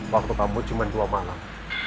waktu kamu cuma dua malam